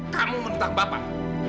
kamu menentang bapak